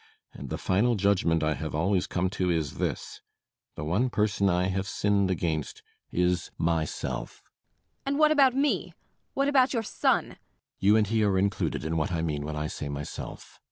And the final judgment I have always come to is this: the one person I have sinned against is myself. MRS. BORKMAN. And what about me? What about your son? BORKMAN. You and he are included in what I mean when I say myself.